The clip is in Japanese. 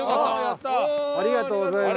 ありがとうございます。